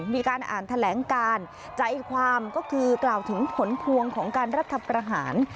มีการอ่านแถลงการใจความก็คือกล่าวถึงผลพวงของการรัฐประหาร